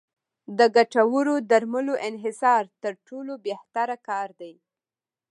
د ګټورو درملو انحصار تر ټولو بهتره کار دی.